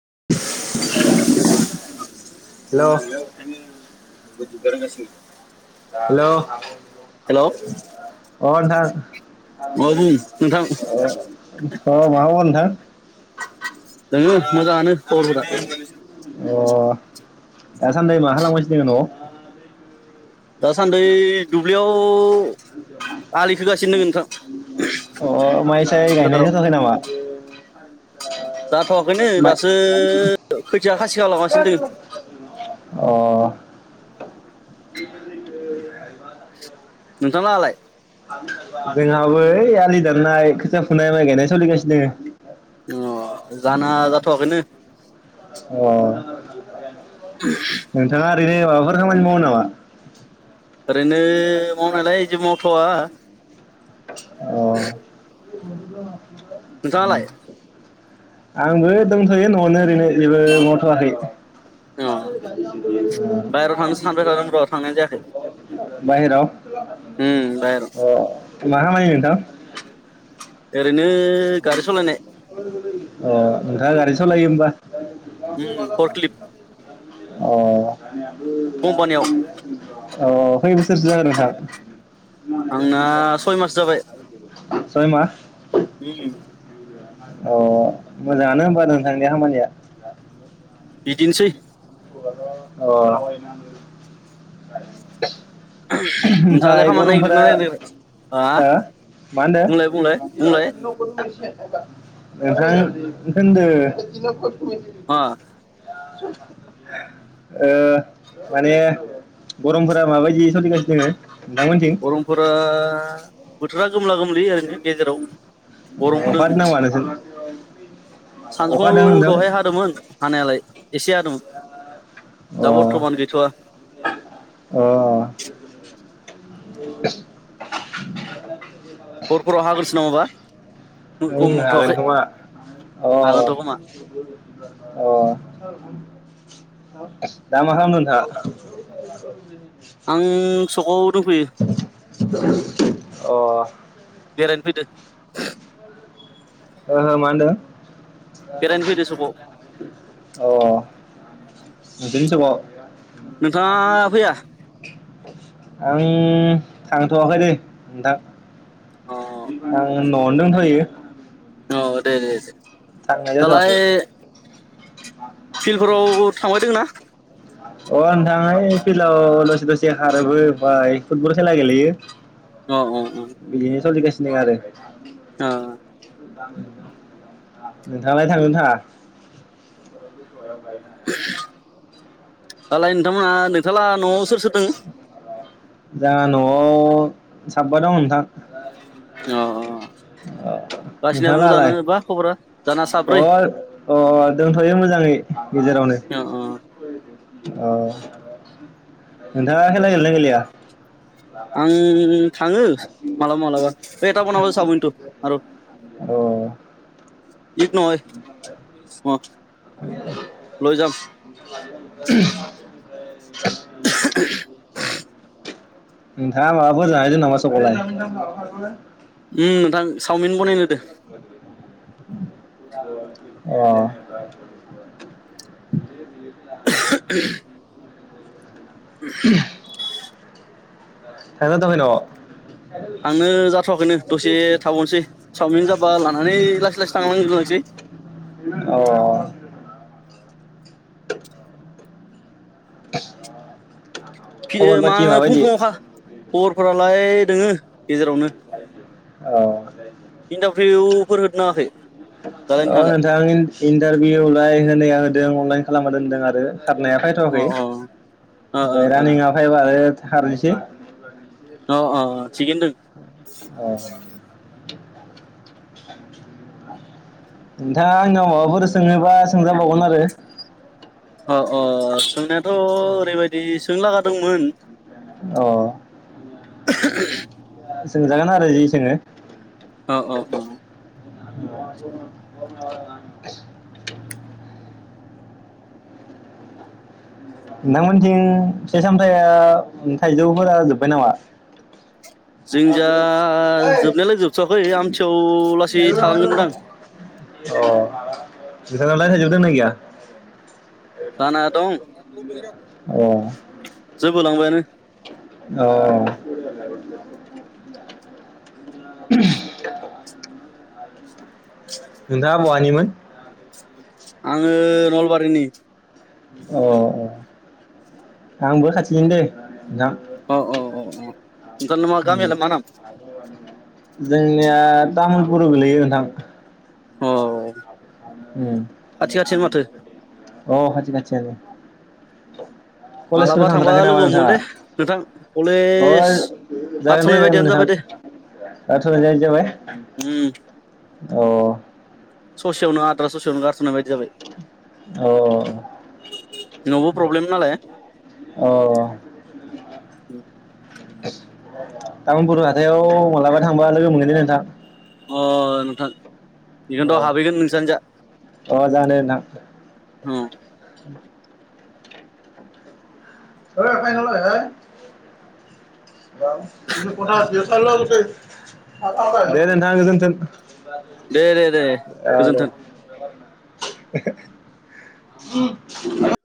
[unintelligible] हेल' [unintelligible] हेल अ हेलौ अ नोंथां [unintelligible] अ मा बुं नोंथां खबर नोंथां दोङो मोजाङानो खबरफोरा अ दासानदै मा खालामगासिनो दोङो नआव दासान्दै दुब्लियाव आलि खोगासिनो नोंथां अ माइ-साइ गायनाय फोथाराव जाथआखै नामा? जाथवाखैनो माइ दासो खैथिया खासिखा लाङासिनो दोङो अ [unintelligible] नोंथांलाहाय? जोंहाबो ओइ आलि दाननाय खोथिया फुनाय माइ गायनाय सोलिगासिनो दोङो। अ जाना जाथवाखैनो दोङो अ [unintelligible] [unintelligible] दिनै माबाफोर खामानि मावनो नामा ओरैनो मावनायालाय जेबो मावथ'आ अ [unintelligible] नोंथाङालाय [unintelligible] आंबो दंथयो नआवनो ओरैनो । अ बायहेराव थांनो सानबाय थादों र थांनाय जायाखै [inaudible] बाहेराव उम बायहेराव अ मा? खामानि नोंथां? ओरैनो गारि सलायनाय अ नोंथाङा गारि सलायो होमबा? [unintelligible] उम फरक्लिप अ । कम्पानियाव [unintelligible] अ । खै बोसोरसो जाखो नोंथां? आंना सय मास जाबाय [unintelligible] सय माह । अ मोजाङानो होम्बा नोंथांनिया खामानिया । बिदिनसै । अ । [unintelligible] ओहोम नोंथाङालाय ओमफफाय खामानि गरमफोरा नागिरदोंना नागिराखै? हा ओ मा होनदो? बुंलाय बुंलाय बुंलाय [unintelligible] नोंथां होनदो । अ । [inaudible] ओ माने गरमफोरा माबायदि सोलिगासिनो दोङो? गरमफोरा बोथोरा खोमला गोमलिै ओरैनो गेजेराव । नोंथांमोनथिं अखा गरमबोदों हादों नामा नोंसोर अखा सानजुआव हादों नोंथां दहाय हादोंमोन हानायालाय एसे दोंमोन । दा बरथमान गैथआ । ओ [unintelligible] हर फोराव हाग्रोसो नवाबा [unintelligible] नो हागोनथमा हागोनथ' खोमा अ अ [unintelligible] दामा खालामदं नंथा? आं सकआव दंफैयो अ बेरायनो फैदो । हो माहोनदो? बेरायनो फैदो सकआव अह नोंसिनि सिङाव। लांदां आं नोंथाङा फैया थांथवाखै दे नोंथां। आं अ आं न'आवनो दंथयो अह दे दे दे। थांनाय दालाय जाथ'वाखै फिल्डफोराव थांबाय दोंना अ नोंथां ओइ फिल्डाव दसे दसे खारोबो बाय फुटबल खेला गेलेयो। बिदिनो सलिगासिनो नो आरो। ओह नोंथाङालाय थाङोना थाङा? ाव गायनो [unintelligible] दालाय नोंथांमोना नोंथाला न'आव सोर सोर दोङो? जोंहा न'आव साबा दं नोंथां। अ नोंथां गासिनाबो लाहालाय मोजाङानो बा खबरा जाना अ साब्रै अ दोंथयो मोजाङै गेजेरावनो। अ अ अह नोंथाङा खेला गेलयोना गेलेया लाग आं [unintelligible] थाङो मालाबा मालाबा एथ बनाब सावमिनथ आरो अ इख नहय अ' लय जाम। [inaudible] नोंथाङा माबाफोर जाहैदो नामा सगावलाय? उम नोंथां चावमिन बनायनो होदो। अह [inaudible] थांनोजाथ'आखै थांनो जाथ'वाखैनो दसे थाबावनोसै सावमिन जाबा न'आव? लानानै लासै लासै थांनांगोनसै अह [inaudible] [inaudible] फि खबर मा पाथि फुं माबायदि फुंङावखा। खबरफोरालाय दोंङो गेजेरावनो। औ इन्टारभिउफोर होद ना होआखै? दालाय औ नोंथाङालाय नोंथां इन्टारभिउ ओमफाय होनाया होदों अनलाइन खालामना दोनदों आरो। खारनाया फैथवाखै अ अ अ ओमफ्राय अ रानिंआ अ फायबा ओ खारनोसै। अ अ थिगैनो अ दों। [inaudible] नोंथाङा आंनाव माबाफोर सोङोबा सोंजाबावगोन आरो। अ अ सोंनायाथ ओरैबायदि सोंनो लागा दोंमोन। औ [unintelligible] सोंजागोन आरो जि सोंङो। औ औ औ। [inaudible] नोंथांमोनथिं फिसामथाया थाइजौफोरा जोब्बाय नामा? जों जा जोबनायालाय जोबथवाखै आमथुआव लासै थालांगोनदां। अ नोंथां नावलाय थाइजौ दं ना गैया? जाना दं [inaudible] अ [unintelligible] औ [unintelligible] थायोमोन आङो नलबारिनि अ अ आंबो खाथिनो दे नोंथां। औ औ औ औ ओंख ना उम गामियालाय मा नाम जोंनिया तामुलपुराव गोलैयो नोंथां औ ओम अ खाथि खा जानो मालाबा कलेजफोर थांबा थांथाराखै नामा लोगो हमगोन नोंथाङा दे नोंथां कलेज अ जागोन दे गारथ'नाय बायदियानो जाबाय दे नोंथाङा आथुरानो ओइ जे उम अ सा ससेयावनो गारथनाय बाय जाबाय अ नआवबो प्रब्लेम नालाय अ ओम तामुलपुर हाथायाव मालाबा थांबा लोगो मोनगोन दे नोंथां अ नोंथां बेगोनथ हाबैगोन नोंसानिजा जानो नां औ [unintelligible] [inaudible] [inaudible] दे नोंथां गोजोनथों दे दे दे आरो गोजोन्थों। ओम